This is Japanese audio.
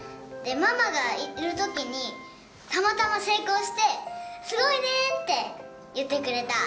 ママがいる時にたまたま成功して「すごいね！」って言ってくれた。